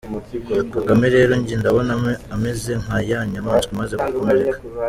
Kagame rero njye ndabona ameze nka ya nyamaswa imaze gukomereka.